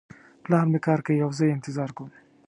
پلار مې کار کوي او زه یې انتظار کوم